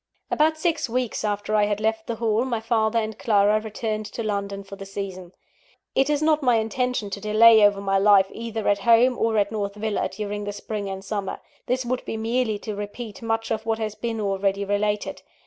About six weeks after I had left the Hall, my father and Clara returned to London for the season. It is not my intention to delay over my life either at home or at North Villa, during the spring and summer. This would be merely to repeat much of what has been already related.